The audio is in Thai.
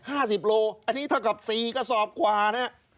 ๕๐กิโลอันนี้เท่ากับ๔กระสอบกว่านะครับ